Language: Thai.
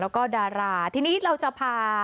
แล้วก็ดาราทีนี้เราจะพา